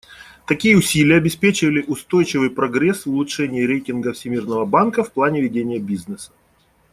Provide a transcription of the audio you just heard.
Такие усилия обеспечили устойчивый прогресс в улучшении рейтинга Всемирного банка в плане ведения бизнеса.